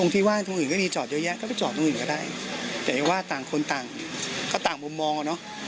แต่ว่าต่างคนต่างก็ต่างมุมมองนะ